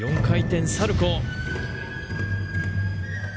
４回転サルコウ。